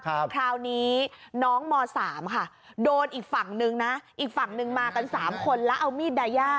คราวนี้น้องม๓ค่ะโดนอีกฝั่งนึงนะอีกฝั่งหนึ่งมากันสามคนแล้วเอามีดดายา